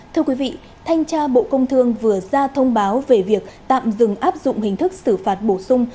thưa quý vị thanh tra bộ công thương vừa ra thông báo về việc tạm dừng áp dụng hình thức xử phạt bổ sung